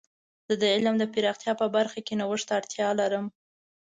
زه د علم د پراختیا په برخه کې نوښت ته اړتیا لرم.